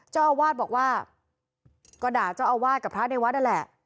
เจ้าอาวาสบอกว่าก็ด่าเจ้าอาวาสกับพระในวัดนั่นแหละ